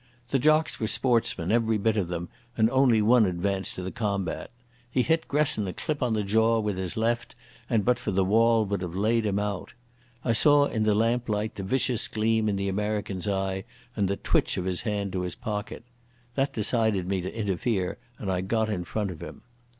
The jocks were sportsmen every bit of them, and only one advanced to the combat. He hit Gresson a clip on the jaw with his left, and but for the wall would have laid him out. I saw in the lamplight the vicious gleam in the American's eye and the twitch of his hand to his pocket. That decided me to interfere and I got in front of him.